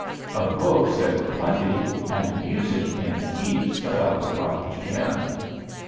Of books there were plenty, and music in heaps about the cottage piano.